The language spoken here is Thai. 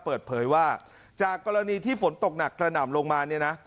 เปิดเผยว่าจากกรณีที่ฝนตกหนักกระหน่ำลงมาเนี่ยนะ